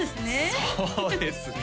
そうですね